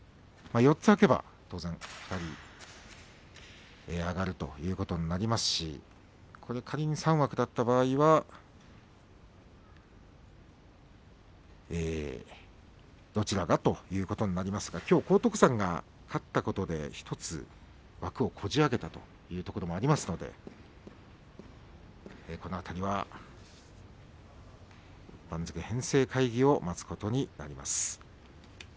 ４つ空けば当然２人上がるということになりますし仮に３枠だった場合はどちらかということになりますがきょう荒篤山が勝ったことで１つ枠をこじあけたというところもありますのでこの辺りは番付編成会議を待つことになります。